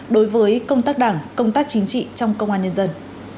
đối với công tác đảng công tác chính trị trong công an nhân dân